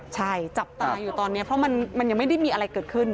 ใช่จับตาอยู่ตอนนี้เพราะมันยังไม่ได้มีอะไรเกิดขึ้น